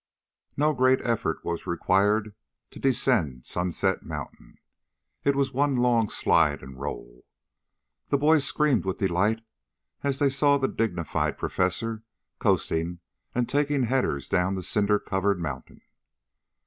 No great effort was required to descend Sunset Mountain. It was one long slide and roll. The boys screamed with delight as they saw the dignified Professor coasting and taking headers down the cinder covered mountain.